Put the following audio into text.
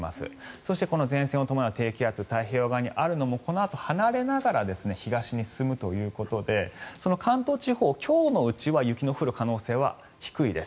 そして、前線を伴う低気圧太平洋側にあるのもこのあと、離れながら東に進むということで関東地方、今日のうちは雪の降る可能性は低いです。